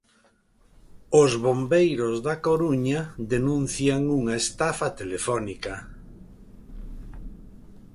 Os bombeiros da Coruña denuncian unha estafa telefónica.